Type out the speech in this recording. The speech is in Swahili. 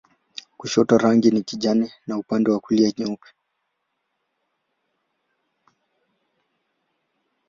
Kushoto rangi ni kijani na upande wa kulia nyeupe.